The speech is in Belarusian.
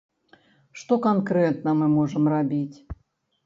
Што канкрэтна мы можам рабіць?